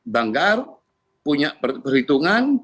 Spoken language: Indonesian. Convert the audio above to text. banggar punya perhitungan